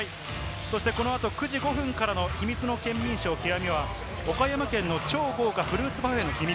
このあと９時５分からの『秘密のケンミンＳＨＯＷ極』は岡山県の超豪華フルーツパフェの秘密。